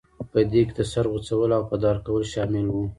په دې کې د سر غوڅول او په دار کول شامل وو.